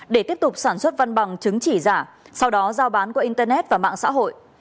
để tiếp tục sản xuất văn bằng chứng chỉ giả sau đó giao bán qua internet và mạng xã hội